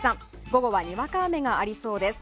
午後はにわか雨がありそうです。